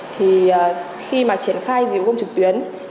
khi triển khai dịch vụ công trực tuyến